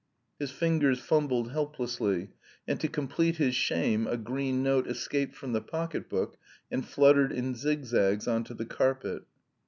His fingers fumbled helplessly, and to complete his shame a green note escaped from the pocket book, and fluttered in zigzags on to the carpet.